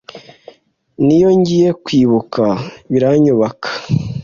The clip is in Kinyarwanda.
n’iyo ngiye kwibuka biranyubaka